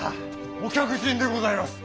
お客人でございます。